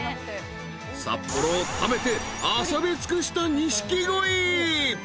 ［札幌を食べて遊び尽くした錦鯉］